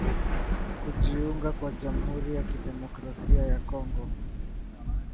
kujiunga kwa jamhuri ya kidemokrasia ya Kongo